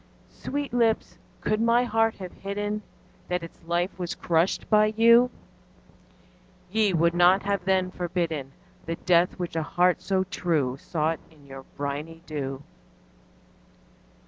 _15 4. Sweet lips, could my heart have hidden That its life was crushed by you, Ye would not have then forbidden The death which a heart so true Sought in your briny dew.